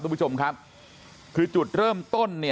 คุณผู้ชมครับคือจุดเริ่มต้น